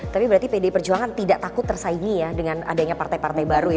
tapi berarti pdi perjuangan tidak takut tersaingi ya dengan adanya partai partai baru ya